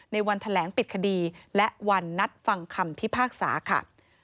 ในวันแถลงปิดคดีและวันนัดฟังคำที่ภากศาสตร์ค่ะ